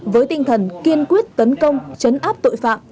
với tinh thần kiên quyết tấn công chấn áp tội phạm